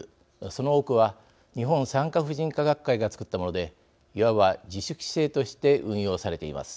その多くは日本産科婦人科学会がつくったものでいわば自主規制として運用されています。